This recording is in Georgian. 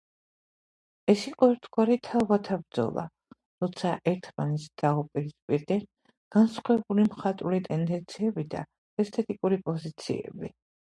ეს იყო ერთგვარი „თაობათა ბრძოლა“, როცა ერთმანეთს დაუპირისპირდნენ განსხვავებული მხატვრული ტენდენციები და ესთეტიკური პოზიციები.